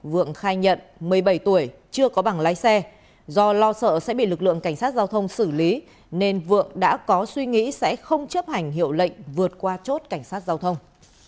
vượng khai nhận một mươi bảy tuổi chưa có bảng lái xe do lo sợ sẽ bị lực lượng cảnh sát giao thông xử lý nên vượng đã có suy nghĩ sẽ không chấp hành hiệu lệnh vượt qua chốt cảnh sát giao thông